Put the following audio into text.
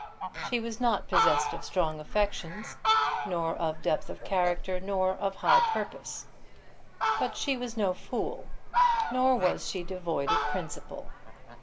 She was not possessed of strong affections, nor of depth of character, nor of high purpose; but she was no fool, nor was she devoid of principle.